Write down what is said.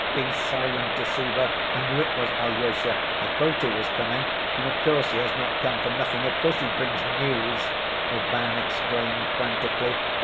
"Be silent, deceiver, I knew it was Alyosha, I felt he was coming, and of course he has not come for nothing; of course he brings 'news,' " Ivan exclaimed frantically.